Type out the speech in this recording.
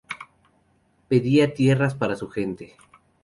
Pedía tierras para su gente.